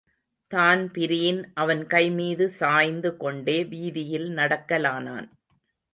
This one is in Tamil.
தான்பிரீன் அவன் கைமீது சாய்ந்து கொண்டே வீதியில் நடக்கலானான்.